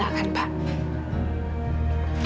berarti enggak kan pak